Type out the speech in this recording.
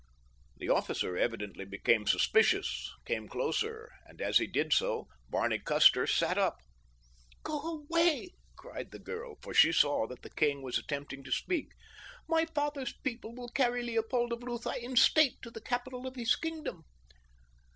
The officer evidently becoming suspicious, came closer, and as he did so Barney Custer sat up. "Go away!" cried the girl, for she saw that the king was attempting to speak. "My father's people will carry Leopold of Lutha in state to the capital of his kingdom."